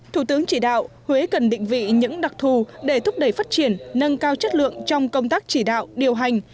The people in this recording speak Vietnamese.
thủ tướng chỉ đạo huế cần định vị những đặc thù để thúc đẩy phát triển nâng cao chất lượng trong công tác chỉ đạo điều hành